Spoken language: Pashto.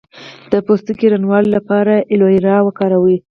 د پوستکي روڼوالي لپاره ایلوویرا وکاروئ